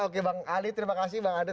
oke bang ali terima kasih bang adat